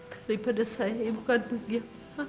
daripada saya yang bukan dunia